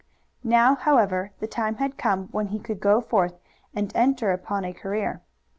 Now, however, the time had come when he could go forth and enter upon a career.